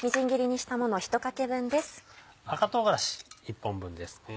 赤唐辛子１本分ですね。